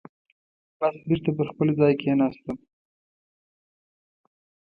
بس بېرته پر خپل ځای کېناستم.